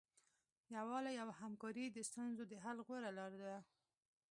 یووالی او همکاري د ستونزو د حل غوره لاره ده.